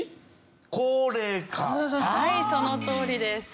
はいそのとおりです！